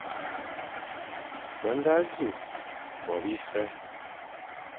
Be ñga nẑu bo bise,